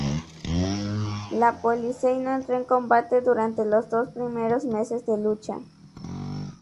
La "Polizei" no entró en combate durante los dos primeros meses de la lucha.